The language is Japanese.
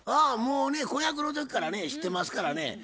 あもうね子役の時からね知ってますからね。